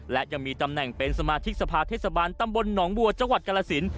และยังมีตำแหน่งเป็นสมาธิกสภาเทศบาลตำบลหนองบัวจังหวัดกรสิน